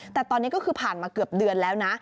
แต่ตอนนี้ก็คือผ่านมาเกือบเดือนแล้วนะ